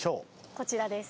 こちらです